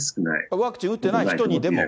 ワクチン打ってない人にでも？